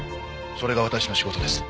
それが私の仕事です。